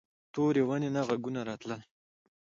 تورې ونې نه غږونه راتلل.